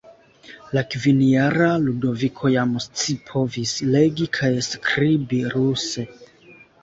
La kvinjara Ludoviko jam scipovis legi kaj skribi ruse.